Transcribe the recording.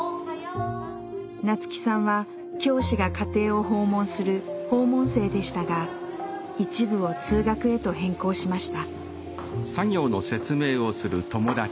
那月さんは教師が家庭を訪問する「訪問生」でしたが一部を「通学」へと変更しました。